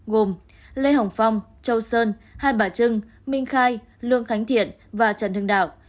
gồm lê hồng phong châu sơn hai bà trưng minh khai lương khánh thiện và trần hưng đạo